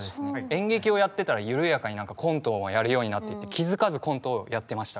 演劇をやってたら緩やかにコントもやるようになってって気付かずコントをやってました